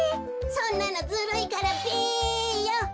そんなのずるいからべよ。